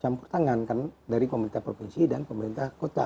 campur tangan kan dari pemerintah provinsi dan pemerintah kota